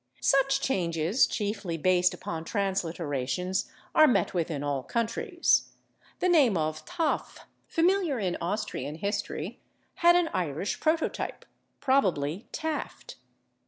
Such changes, chiefly based upon transliterations, are met with in all countries. The name of /Taaffe/, familiar in Austrian history, had an Irish prototype, probably /Taft